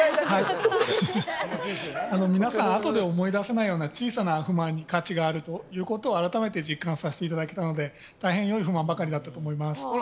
皆さんあとで思い出せないような小さな不満に価値があるということを改めて実感させていただけたので大変良い不満ばかりだったと思います。